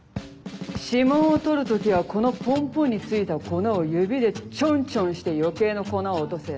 指紋を採る時はこのポンポンについた粉を指でチョンチョンして余計な粉を落とせ。